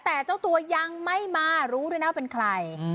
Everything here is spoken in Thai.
แต่เจ้าตัวยังไม่มารู้ด้วยนะว่าเป็นใคร